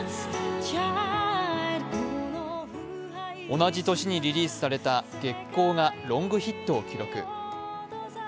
同じ年にリリースされた「月光」がロングヒットを記録。